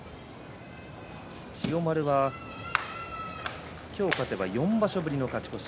千代丸は今日勝てば４場所ぶりの勝ち越し。